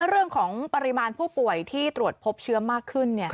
เรื่องของปริมาณผู้ป่วยที่ตรวจพบเชื้อมากขึ้น